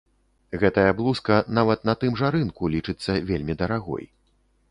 Гэтая блузка, нават на тым жа рынку, лічыцца вельмі дарагой.